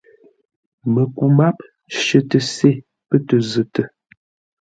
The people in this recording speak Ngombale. Məku máp shətə se pə́ tə zətə.